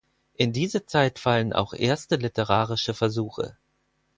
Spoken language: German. In diese Zeit fallen auch erste literarische Versuche.